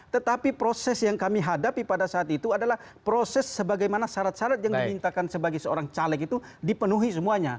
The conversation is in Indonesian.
tetapi proses yang kami hadapi pada saat itu adalah proses sebagaimana syarat syarat yang dimintakan sebagai seorang caleg itu dipenuhi semuanya